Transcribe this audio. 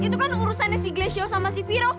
ini itu kan urusan si glacio sama si biro